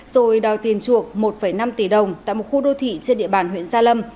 rồi đòi tiền chuộc một năm tỷ đồng tại một khu đô thị trên địa bàn huyện gia lâm